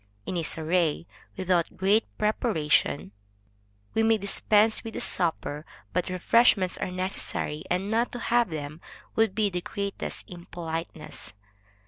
In a soirée without great preparation, we may dispense with a supper, but refreshments are necessary; and not to have them would be the greatest impoliteness.